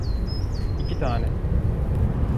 İki tane.